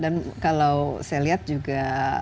dan kalau saya lihat juga